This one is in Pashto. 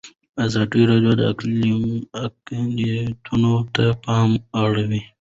ازادي راډیو د اقلیتونه ته پام اړولی.